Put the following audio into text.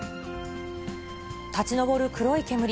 立ち上る黒い煙。